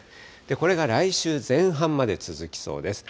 これが来週前半まで続きそうです。